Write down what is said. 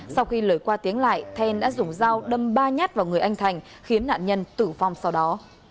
sau khi lời qua tiếng lại then đã dùng dao đâm ba nhát vào người anh thành khiến nạn nhân tử vong sau đó